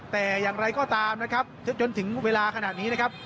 แต่อย่างไรก็ตามนะครับจนถึงเวลาขนาดนี้นะครับ